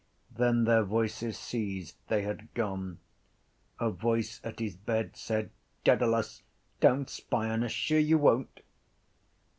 Then their voices ceased; they had gone. A voice at his bed said: —Dedalus, don’t spy on us, sure you won’t?